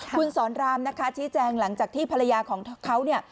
คุณสอนรามชี้แจงหลังจากที่ภรรยาของเขา